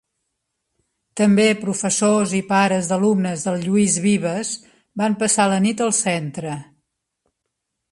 També professors i pares d'alumnes del Lluís Vives van passar la nit al centre.